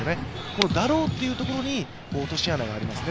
この「だろう」っていうところに落とし穴がありますね。